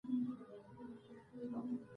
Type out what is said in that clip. که نجونې ټیم جوړ کړي نو لوبه به نه وي بایللې.